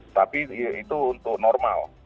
tapi itu untuk normal